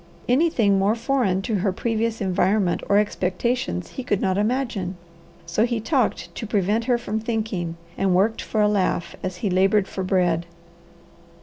Anything more foreign to her previous environment or expectations he could not imagine. So he talked to prevent her from thinking, and worked for a laugh as he laboured for bread.